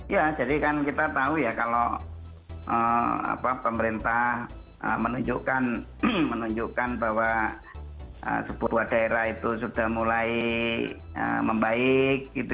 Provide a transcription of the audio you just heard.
ya jadi kan kita tahu ya kalau pemerintah menunjukkan bahwa sebuah daerah itu sudah mulai membaik